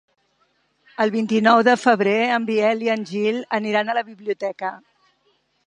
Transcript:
El vint-i-nou de febrer en Biel i en Gil aniran a la biblioteca.